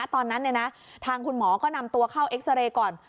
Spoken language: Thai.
ตอนนั้นทางคุณหมอก็นำตัวเข้าเอ็กซาเรย์ก่อน